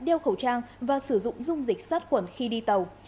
đeo khẩu trang và sử dụng dung dịch sát khuẩn khi đi tàu